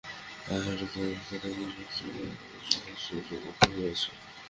আর কলিকাতায় এইরূপ শত সহস্র যুবক রহিয়াছে।